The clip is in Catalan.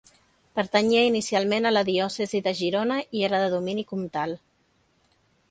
Pertanyia inicialment a la diòcesi de Girona i era de domini comtal.